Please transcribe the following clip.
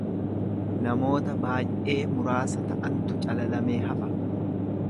namoota baay'ee muraasa ta'antu calalamee hafa.